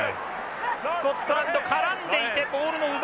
スコットランド絡んでいてボールの奪い合い。